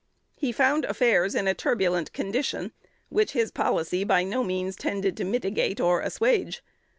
He found affairs in a turbulent condition, which his policy by no means tended to mitigate or assuage.